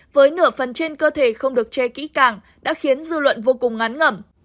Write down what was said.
với nửa phần trên cơ thể không được che kỹ càng đã khiến dư luận vô cùng ngán ngẩm